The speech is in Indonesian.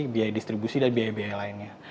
biaya distribusi dan biaya biaya lainnya